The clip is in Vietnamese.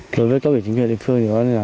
đối với các vị chính quyền địa phương